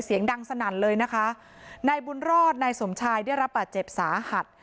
เสียงดังสนั่นเลยนะคะนายบุญรอดนายสมชายได้รับบาดเจ็บสาหัส